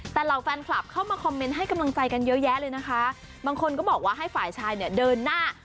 แต่เหล่าแฟนคลับเข้ามาคอมเมนต์ให้กำลังใจกันเยอะแยะเลยนะคะบางคนก็บอกว่าให้ฝ่ายชายเนี่ยเดินหน้า